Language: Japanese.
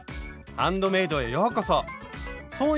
「ハンドメイド」へようこそ！